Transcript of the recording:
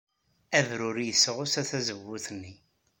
Abruri yesɣusa tazewwut-nni.